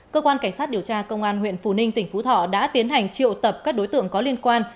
cơ quan cảnh sát điều tra công an huyện phù ninh tỉnh phú thọ đã tiến hành triệu tập các đối tượng có liên quan